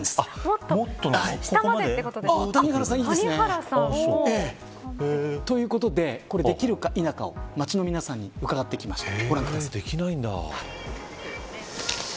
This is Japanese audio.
谷原さん、いいですね。ということで、これができるか否かを街の皆さんに伺ってきました。